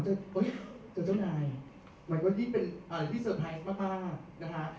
ต้องมีหน้าแบบโอ๊ยเจ้าหน่ายมันก็เป็นอะไรที่เซอร์ไพรส์มากนะฮะ